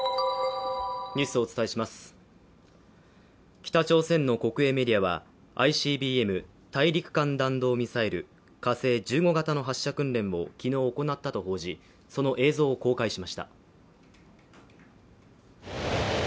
北朝鮮の国営メディアは、ＩＣＢＭ＝大陸間弾道ミサイル火星１５型の発射訓練を昨日行ったと報じ、その映像を公開しました。